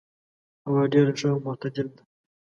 هوا ډېر ښه او معتدل ده.